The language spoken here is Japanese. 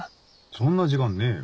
そんな時間ねえよ。